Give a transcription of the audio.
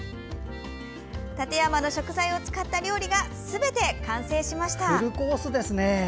館山の食材を使った料理がすべて完成しました！